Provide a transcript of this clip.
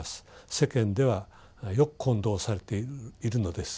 世間ではよく混同されているのです。